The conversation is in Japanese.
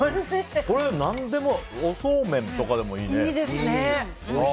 これ、何でもおそうめんとかでもいいね。